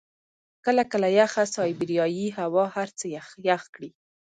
کله کله یخه سایبریايي هوا هر څه يخ کړي.